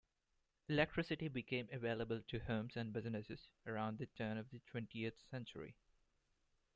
Electricity became available to homes and businesses around the turn of the twentieth century.